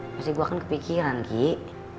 pasti gue kan kepikiran kiki